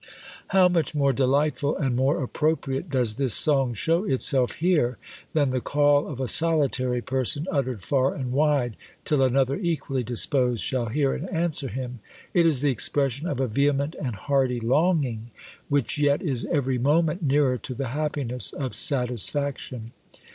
How much more delightful and more appropriate does this song show itself here, than the call of a solitary person uttered far and wide, till another equally disposed shall hear and answer him! It is the expression of a vehement and hearty longing, which yet is every moment nearer to the happiness of satisfaction.